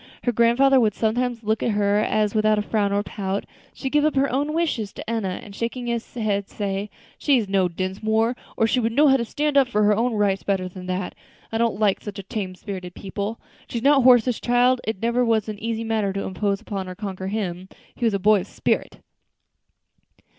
Her grandfather would sometimes look at her as, without a frown or a pout, she would give up her own wishes to Enna, and shaking his head, say, "She's no Dinsmore, or she would know how to stand up for her own rights better than that. I don't like such tame spirited people. She's not Horace's child; it never was an easy matter to impose upon or conquer him. He was a boy of spirit."